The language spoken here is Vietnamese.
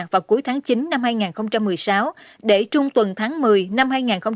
vào cuối tháng chín năm hai nghìn một mươi sáu để trung tuần tháng một mươi năm hai nghìn một mươi tám